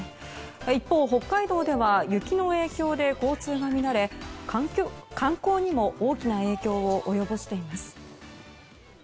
一方、北海道では雪の影響で交通が乱れ観光にも大きな影響を及ぼしています。